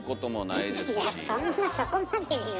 いやそんなそこまで言う？